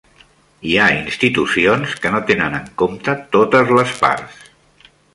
Hi ha institucions que no tenen en compte totes les parts.